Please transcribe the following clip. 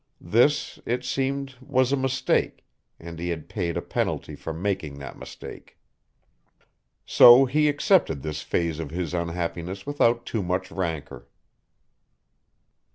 This, it seemed, was a mistake, and he had paid a penalty for making that mistake. So he accepted this phase of his unhappiness without too much rancor.